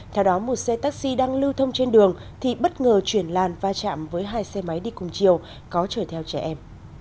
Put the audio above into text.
theo đó một xe taxi đang lưu thông trên đường thì bất ngờ chuyển làn va chạm với hai xe máy đi cùng chiều có chở theo trẻ em